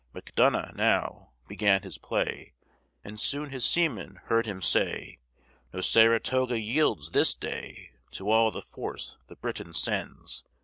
Macdonough, now, began his play, And soon his seamen heard him say, "No Saratoga yields, this day, To all the force that Britain sends.